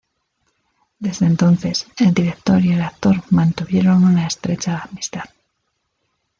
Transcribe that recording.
Desde entonces, el director y el actor mantuvieron una estrecha amistad.